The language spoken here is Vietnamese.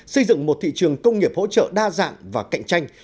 xây dựng một thị trường công nghiệp hỗ trợ đa dạng và cạnh tranh